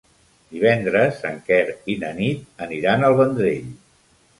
Divendres en Quer i na Nit aniran al Vendrell.